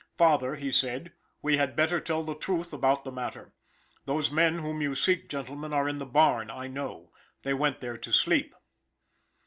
"Father," he said, "we had better tell the truth about the matter. Those men whom you seek, gentlemen, are in the barn, I know. They went there to sleep."